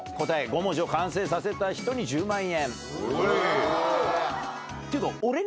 答え５文字を完成させた人に１０万円。